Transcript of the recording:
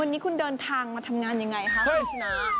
วันนี้คุณเดินทางมาทำงานยังไงคะคุณชนะ